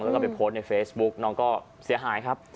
แล้วก็ไปโพสต์ในเฟซบุ๊กน้องก็เสียหายครับ